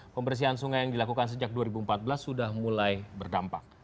pembersihan sungai yang dilakukan sejak dua ribu empat belas sudah mulai berdampak